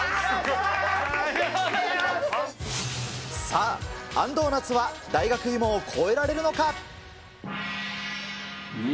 さあ、あんドーナツは大学芋を超えられるのか。